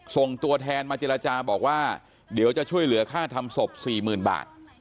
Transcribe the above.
ส่งตัวแทนมาเจรจาบอกว่าเดี๋ยวจะช่วยเหลือค่าทำศพ๔๐๐๐บาท